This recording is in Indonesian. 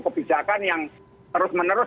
kebijakan yang terus menerus